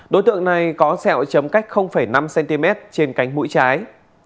đối tượng này có sẹo chấm cách năm cm trên cánh mũi trái